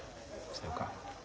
そうか。